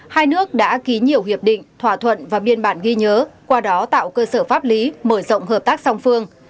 hai nước đã ký nhiều hiệp định thỏa thuận và biên bản ghi nhớ qua đó tạo cơ sở pháp lý mở rộng hợp tác song phương